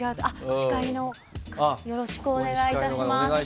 司会の、よろしくお願いします。